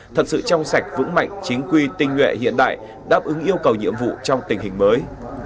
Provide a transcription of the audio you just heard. thật sự trong sạch vững mạnh chính quy tinh nguyện hiện đại đáp ứng yêu cầu nhiệm vụ trong tình hình mới